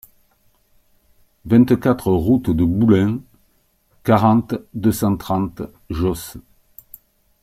vingt-quatre route de Boulins, quarante, deux cent trente, Josse